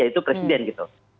yaitu presiden gitu